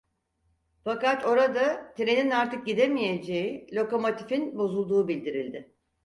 Fakat orada trenin artık gidemeyeceği, lokomotifin bozulduğu bildirildi.